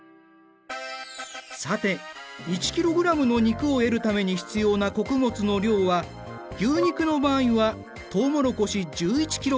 さて１ｋｇの肉を得るために必要な穀物の量は牛肉の場合はとうもろこし１１ｋｇ。